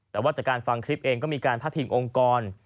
แต่ว่าจากการฟังคลิปเองก็มีการพาดพิงองค์กร